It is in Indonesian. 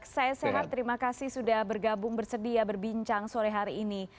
saya sehat terima kasih sudah bergabung bersedia berbincang sore hari ini